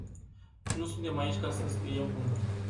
Nu suntem aici ca sa înscriem puncte.